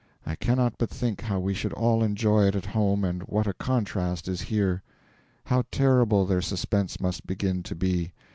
I cannot but think how we should all enjoy it at home, and what a contrast is here! How terrible their suspense must begin to be!